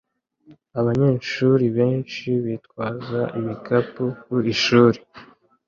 abanyeshuri benshi bitwaza ibikapu ku ishuri